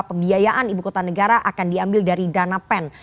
pembiayaan ibu kota negara akan diambil dari dana pen